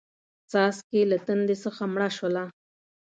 څاڅکې له تندې څخه مړه شوله